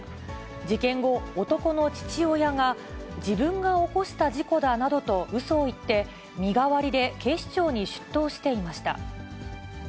事件後、男の父親が、自分が起こした事故だなどとうそを言って、身代わりで警視庁に出頭していました。